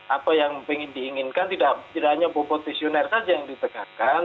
apa yang ingin diinginkan tidak hanya bopo tesioner saja yang ditegakkan